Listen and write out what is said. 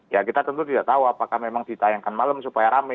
ya kita tentu tidak tahu apakah memang ditayangkan malam supaya rame